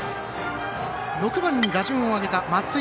６番に打順を上げた松井。